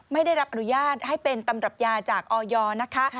ไม่ได้รับอนุญาตให้เป็นตำรับยาจากออยนะคะ